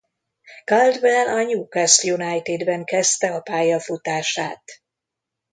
Caldwell a Newcastle Unitedben kezdte a pályafutását.